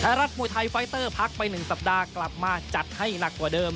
รัฐมวยไทยไฟเตอร์พักไป๑สัปดาห์กลับมาจัดให้หนักกว่าเดิม